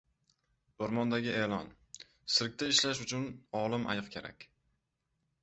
O‘rmondagi e’lon: tsirkda ishlash uchun olim ayiq kerak.